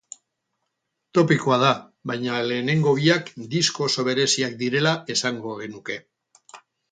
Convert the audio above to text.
Topikoa da, baina lehenengo biak disko oso bereziak direla esango genuke.